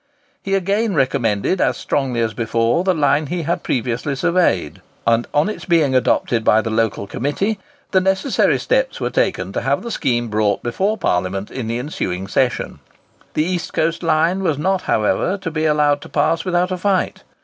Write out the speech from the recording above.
He again recommended as strongly as before the line he had previously surveyed; and on its being adopted by the local committee, the necessary steps were taken to have the scheme brought before Parliament in the ensuing session. The East Coast line was not, however, to be allowed to pass without a fight.